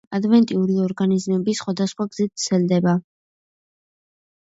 ადვენტიური ორგანიზმები სხვადასხვა გზით ვრცელდება.